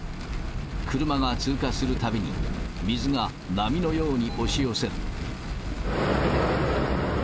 車が通過するたびに、水が波のように押し寄せる。